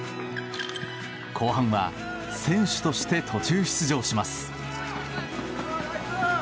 後半は選手として途中出場します。